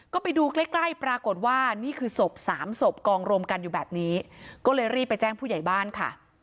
ก็ไปดูใกล้ใกล้ปรากฏว่านี่คือศพสามศพกองรวมกันอยู่แบบนี้ก็เลยรีบไปแจ้งผู้ใหญ่บ้านค่ะ